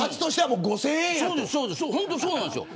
そうなんですよ。